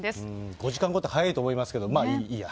５時間後って早いと思いますけど、まあいいや。